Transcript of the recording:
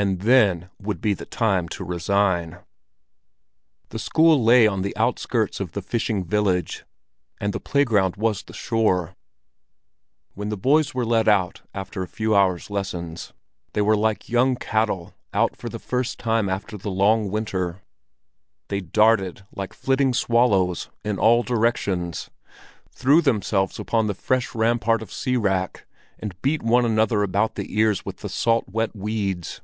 And then would be the time to resign! The school lay on the outskirts of the fishing village, and the playground was the shore. When the boys were let out after a few hours' lessons, they were like young cattle out for the first time after the long winter. They darted, like flitting swallows, in all directions, threw themselves upon the fresh rampart of sea wrack and beat one another about the ears with the salt wet weeds.